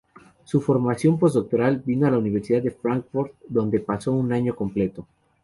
Su formación posdoctoral vino de la Universidad de Fráncfort, donde pasó un año completo.